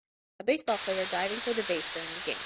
A baseball player diving for the base during a game